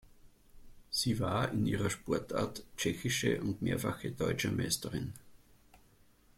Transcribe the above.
Sie war in ihrer Sportart tschechische und mehrfache deutsche Meisterin.